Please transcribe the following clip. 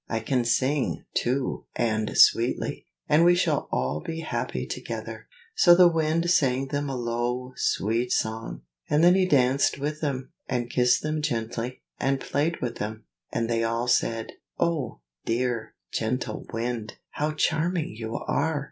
I can sing, too, and sweetly, and we shall all be happy together." So the Wind sang them a low, sweet song; and then he danced with them, and kissed them gently, and played with them; and they all said, "Oh, dear, gentle Wind, how charming you are!